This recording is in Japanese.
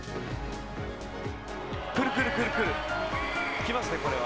くるくるくるくる、きますね、これは。